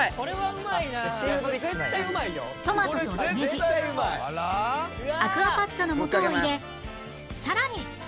トマトとしめじアクアパッツァのもとを入れさらに